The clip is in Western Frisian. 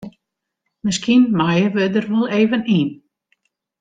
Miskien meie we der wol even yn.